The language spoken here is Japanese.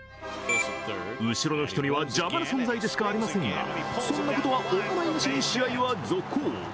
後ろの人には邪魔な存在でしかありませんがそんなことはお構いなしに試合は続行。